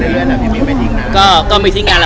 ก็มันไม่ทิ้งงานราคอนแต่ว่ามีอย่างพอ